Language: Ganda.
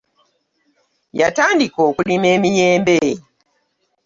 Yatandika okulima emiyembe.